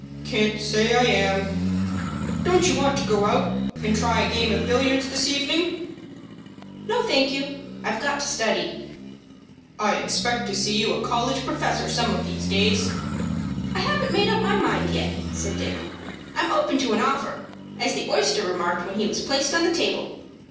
"Can't say I am. Don't you want to go out and try a game of billiards this evening?" "No, thank you. I've got to study." "I expect to see you a college professor some of these days." "I haven't made up my mind yet," said Dick. "I'm open to an offer, as the oyster remarked when he was placed on the table.